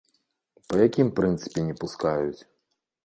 Па якім прынцыпе не пускаюць?